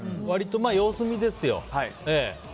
様子見ですよ。